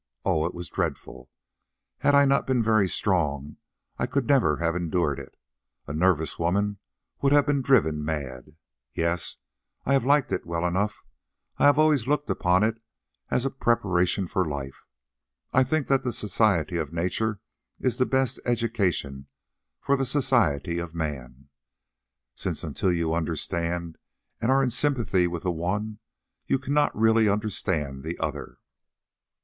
Oh! it was dreadful. Had I not been very strong I could never have endured it; a nervous woman would have been driven mad. Yes, I have liked it well enough; I have always looked upon it as a preparation for life. I think that the society of nature is the best education for the society of man, since until you understand and are in sympathy with the one, you cannot really understand the other.